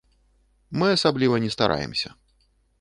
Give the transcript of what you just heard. Мы асабліва не стараемся.